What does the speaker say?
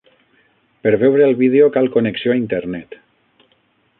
Per veure el vídeo, cal connexió a internet.